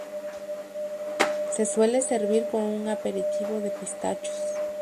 Se suele servir con una aperitivo de pistachos.